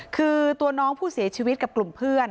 คือตัวน้องผู้เสียชีวิตกับกลุ่มเพื่อน